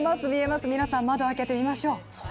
皆さん、窓を開けて見ましょう。